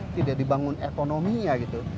tidak dibangun ekonominya gitu